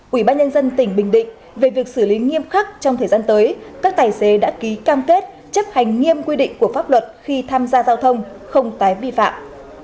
quỹ ban nhân dân tỉnh bình định về việc xử lý nghiêm khắc trong thời gian tới các tài xế đã ký cam kết chấp hành nghiêm quy định của pháp luật khi tham gia giao thông không tái vi phạm